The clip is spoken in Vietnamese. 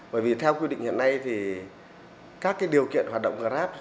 bởi vì theo quy định hiện nay thì các điều kiện hoạt động grab